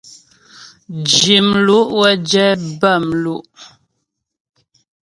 Zhi mlu' wə́ jɛ bâmlu'.